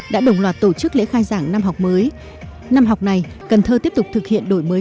đã đồng loạt tổ chức lễ khai giảng năm học mới năm học này cần thơ tiếp tục thực hiện đổi mới